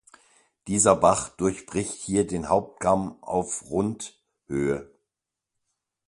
Dieser Bach durchbricht hier den Hauptkamm auf rund Höhe.